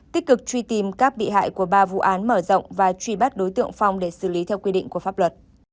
tích cực truy tìm các bị hại của ba vụ án mở rộng và truy bắt đối tượng phong để xử lý theo quy định của pháp luật